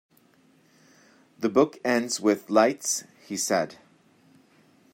The book ends with 'Lights' he said.